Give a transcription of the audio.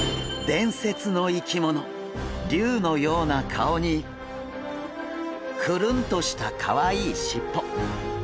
伝説の生き物竜のような顔にクルンとしたかわいいしっぽ。